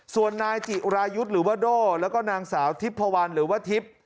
ส่วนนายจิรายุทธ์หรือว่าโด่แล้วก็นางสาวทิพพวันหรือว่าทิพย์